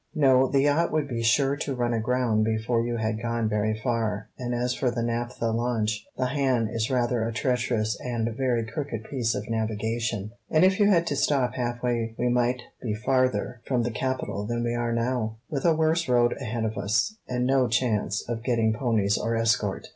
"No, the yacht would be sure to run aground before you had gone very far, and as for the naphtha launch, the Han is rather a treacherous and very crooked piece of navigation, and if you had to stop half way we might be farther from the capital than we are now, with a worse road ahead of us, and no chance of getting ponies or escort.